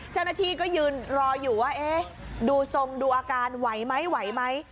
เจ้าหน้าที่ก็ยืนรออยู่ว่าเอ๊ะดูทรงดูอาการไหวไหมไหวไหม